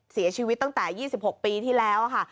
เสียชีวิตตั้งแต่๒๖ปีที่แล้วค่ะ